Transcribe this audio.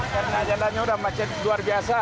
karena jalannya udah macet luar biasa